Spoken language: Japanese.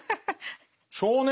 少年？